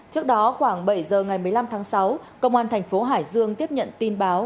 trước đó khoảng bảy giờ ngày một mươi năm tháng sáu công an thành phố hải dương tiếp nhận tin báo